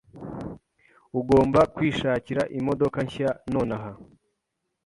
Ugomba kwishakira imodoka nshya nonaha.